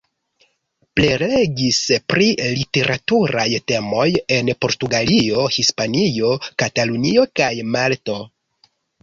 Prelegis pri literaturaj temoj en Portugalio, Hispanio, Katalunio kaj Malto.